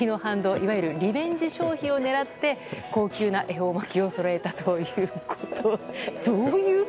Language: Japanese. いわゆるリベンジ消費を狙って高級な恵方巻をそろえたということ。